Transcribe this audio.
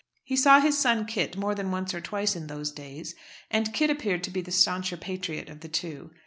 He saw his son Kit more than once or twice in those days, and Kit appeared to be the stancher patriot of the two.